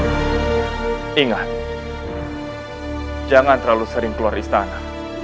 dindas banglana ingat jangan terlalu sering keluar istana